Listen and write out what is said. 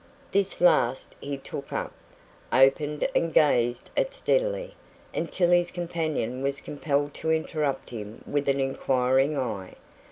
This last he took up, opened and gazed at steadily, until his companion was compelled to interrupt him with an inquiring eye.